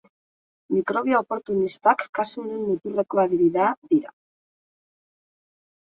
Mikrobio oportunistak kasu honen muturreko adibidea dira.